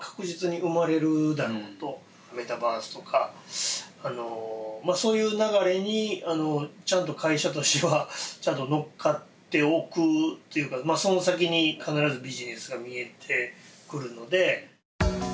メタバースとかまあそういう流れにちゃんと会社としてはちゃんと乗っかっておくというかまあその先に必ずビジネスが見えてくるので。